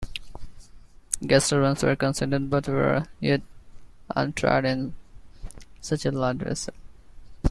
Gas turbines were considered but were as yet untried in such a large vessel.